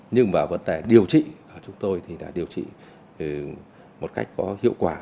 nhưng mà vấn đề điều trị của chúng tôi thì là điều trị một cách có hiệu quả